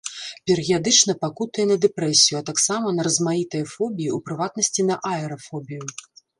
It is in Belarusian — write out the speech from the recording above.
Перыядычна пакутуе на дэпрэсію, а таксама на размаітыя фобіі, у прыватнасці на аэрафобію.